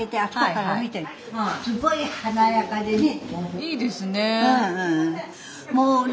いいですね。